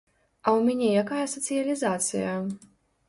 А ў мяне якая сацыялізацыя?